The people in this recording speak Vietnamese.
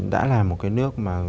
đã là một cái nước mà